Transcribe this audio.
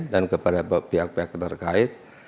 dan kepada pihak pihak terkait